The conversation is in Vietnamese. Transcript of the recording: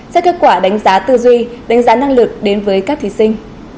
sẽ kết quả đánh giá tư duy đánh giá năng lực đến với các thí sinh